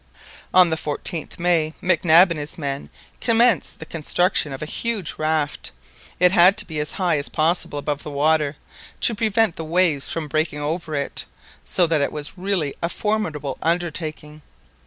On the 14th May, Mac Nab and his men commenced the construction of a huge raft. It had to be as high as possible above the water, to prevent the waves from breaking over it, so that it was really a formidable undertaking.